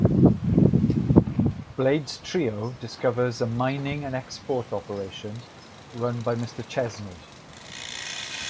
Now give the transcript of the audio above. Blade's trio discovers a mining and export operation run by Mr. Chesney.